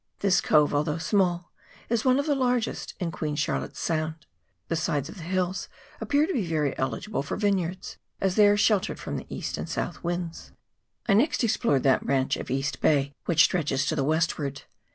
This cove, although small, is one of the largest in Queen Charlotte's Sound. The sides of the hills appear to be very eligible for vineyards, as they are sheltered from the east and south winds. I next explored that branch of East Bay which stretches to the westward.